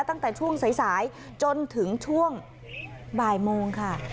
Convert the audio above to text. ตั้งแต่ช่วงสายจนถึงช่วงบ่ายโมงค่ะ